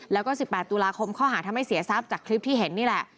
แล้วก็๑๘ตุลาคมข้อหาทำให้เสียทรัพย์จากคลิปที่เห็นนี่แหละ